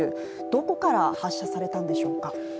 どこから発射されたんでしょうか。